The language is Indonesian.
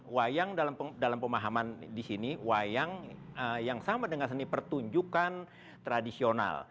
wayang dalam pemahaman di sini wayang yang sama dengan seni pertunjukan tradisional